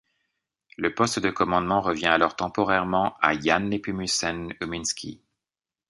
Le poste de commandement revient alors temporairement à Jan Nepomucen Umiński.